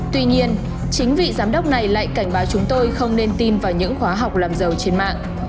tuy nhiên chính vị giám đốc này lại cảnh báo chúng tôi không nên tin vào những khóa học làm giàu trên mạng